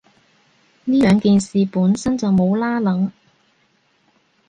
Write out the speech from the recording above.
呢兩件事本身就冇拏褦